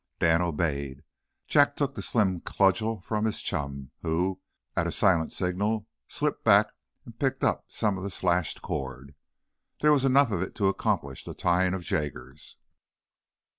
Dan obeyed. Jack took the slim cudgel from, his chum, who, at a silent signal, slipped back and picked up some of the slashed cord. There was enough of it to accomplish the tying of Jaggers.